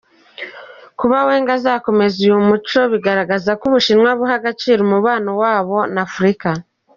Kuba Wang azakomeza uyu muco bigaragaza ko Ubushinwa buha agaciro umubano wabwo n’Afurika.